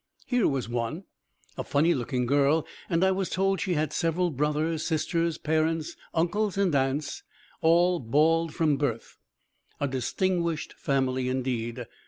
Here was one, a funny looking girl, and I was told she had several brothers, sisters, parents, uncles and aunts, all bald from birth a distinguished family indeed.